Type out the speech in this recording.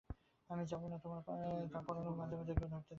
আমি যাব না তবে পরাণও মাঝে মাঝে গো ধরতে জানে।